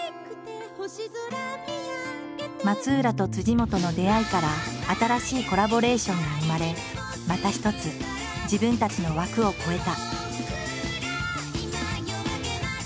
松浦と本の出会いから新しいコラボレーションが生まれまた一つ自分たちの枠を超えた。